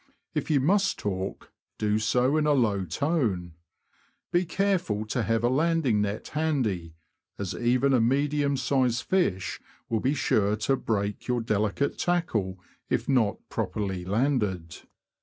If you must talk, do so in a low tone. Be careful to have a landing net handy, as even a medium sized fish will be sure to break your deli cate tackle if not properly landed.